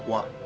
dan yang apa